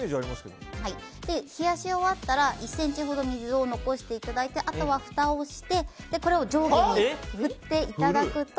冷やし終わったら１ｃｍほど水を残していただいてあとはふたをしてこれを上下に振っていただくと。